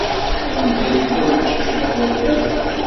Anida yella umecic-nni aberkan?